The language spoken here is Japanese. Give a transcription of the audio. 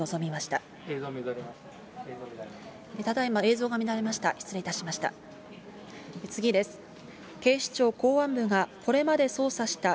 ただいま映像が乱れました。